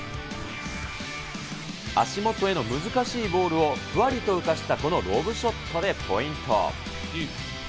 足元への難しいボールをふわりと浮かしたこのロブショットでポイント。